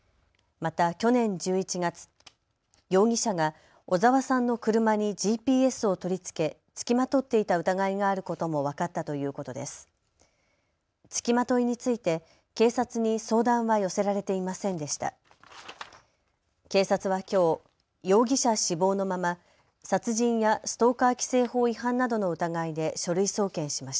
また去年１１月、容疑者が小澤さんの車にＧＰＳを取り付け、付きまとっていた疑いがあることも分かったということです。